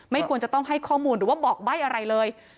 ควรจะต้องให้ข้อมูลหรือว่าบอกใบ้อะไรเลย